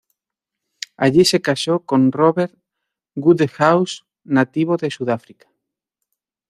Allí se casó con Robert Wodehouse, nativo de Sudáfrica.